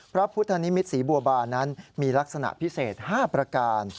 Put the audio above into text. พระพุทธนิมิตศรีบัวบานนั้นมีลักษณะพิเศษ๕ประการ